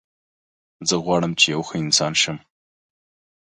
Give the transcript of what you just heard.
زه غواړم چې یو ښه انسان شم